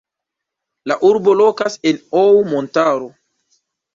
La urbo lokas en Ou montaro.